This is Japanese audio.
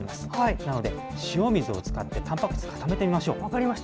なので塩水を使ってたんぱく質を分かりました。